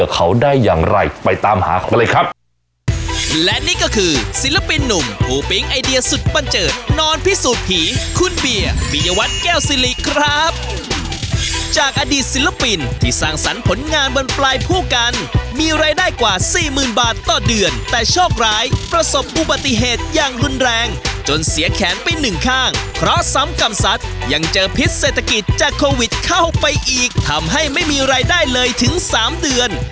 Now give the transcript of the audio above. ครับและนี่ก็คือศิลปินนุ่มผู้ปิ๊งไอเดียสุดปันเจิดนอนพิสูจน์ผีคุณเบียร์มิยวัตรแก้วซิริครับจากอดีตศิลปินที่สร้างสรรค์ผลงานบนปลายผู้กันมีรายได้กว่าสี่หมื่นบาทต่อเดือนแต่โชคร้ายประสบบุปติเหตุอย่างรุนแรงจนเสียแขนไปหนึ่งข้างเพราะซ้ำกรรมสัตว์ยังเจ